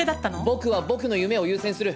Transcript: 僕は僕の夢を優先する。